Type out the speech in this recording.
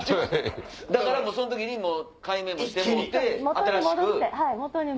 だからその時に改名もしてもうて新しく。